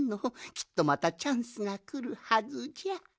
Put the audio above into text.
きっとまたチャンスがくるはずじゃ。